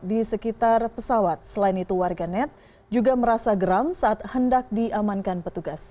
di sekitar pesawat selain itu warganet juga merasa geram saat hendak diamankan petugas